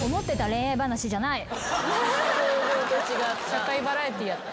・社会バラエティーやった。